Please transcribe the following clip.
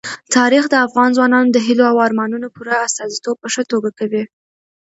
تاریخ د افغان ځوانانو د هیلو او ارمانونو پوره استازیتوب په ښه توګه کوي.